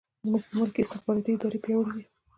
زموږ په ملک کې استخباراتي ادارې پیاوړې دي.